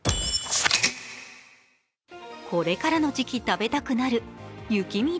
これからの時期食べたくなる雪見